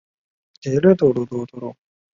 宇喜多秀家次子。